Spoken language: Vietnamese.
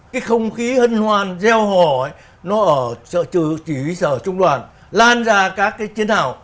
cái không khí hân hoan gieo hò ấy nó ở chỉ huy sở trung đoàn lan ra các cái chiến hào